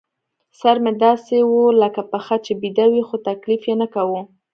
سر مې داسې و لکه پښه چې بېده وي، خو تکلیف یې نه کاوه.